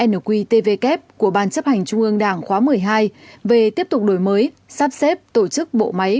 tám nqtv kép của ban chấp hành trung ương đảng khóa một mươi hai về tiếp tục đổi mới sắp xếp tổ chức bộ máy